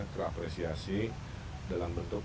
diapresiasi dalam bentuk